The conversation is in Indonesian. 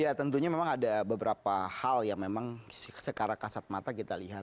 ya tentunya memang ada beberapa hal yang memang secara kasat mata kita lihat